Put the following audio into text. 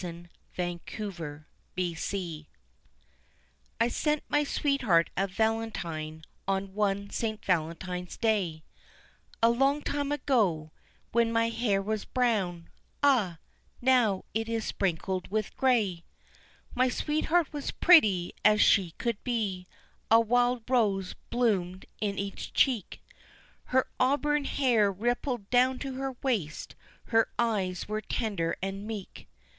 ] The Old Valentine I sent my sweetheart a valentine on one St. Valentine's day, A long time ago, when my hair was brown, ah, now it is sprinkled with grey! My sweetheart was pretty as she could be, a wild rose bloomed in each cheek, Her auburn hair rippled down to her waist, her eyes were tender and meek.